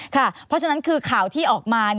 เพราะฉะนั้นคือข่าวที่ออกมา